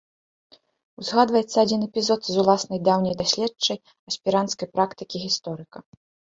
Узгадваецца адзін эпізод з уласнай даўняй даследчай аспіранцкай практыкі гісторыка.